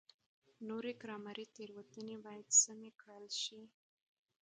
نورې ګرامري تېروتنې باید سمې کړل شي.